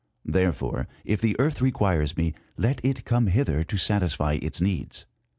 Therefore, if the Earth requires me, let it come hither to satisfy its needs.